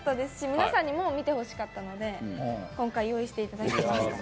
皆さんにも見てほしかったので今回用意していただきました。